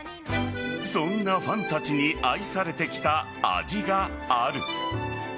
そんなファンたちに愛されてきた味がある。